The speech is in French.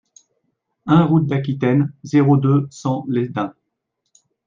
un route d'Aquitaine, zéro deux, cent Lesdins